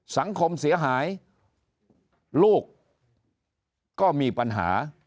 สังคมเสียหายลูกก็มีปัญหา